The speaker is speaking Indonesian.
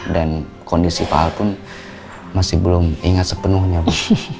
dan kondisi pak al pun masih belum ingat sepenuhnya bu